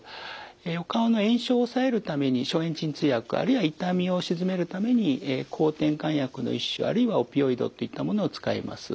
お顔の炎症を抑えるために消炎鎮痛薬あるいは痛みを鎮めるために抗てんかん薬の一種あるいはオピオイドといったものを使います。